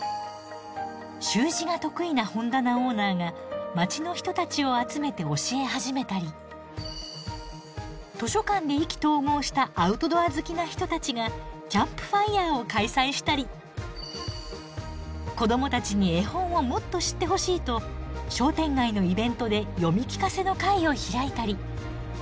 習字が得意な本棚オーナーが街の人たちを集めて教え始めたり図書館で意気投合したアウトドア好きな人たちがキャンプファイアを開催したり子どもたちに絵本をもっと知ってほしいと商店街のイベントで読み聞かせの会を開いたり。